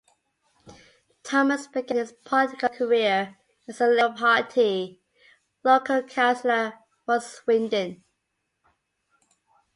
Thomas began his political career as a Labour Party local councillor for Swindon.